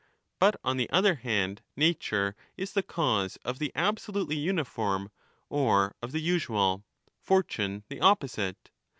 But, on the other hand, Nature is the cause of the absolutely uniform or of the usual, Fortune the opposite.